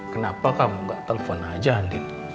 kenapa kamu gak telfon aja andin